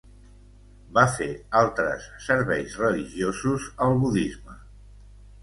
Va fer altres serveis religiosos al budisme.